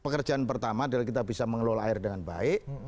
pekerjaan pertama adalah kita bisa mengelola air dengan baik